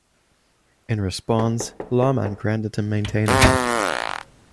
In response, Laumann granted him maintainership.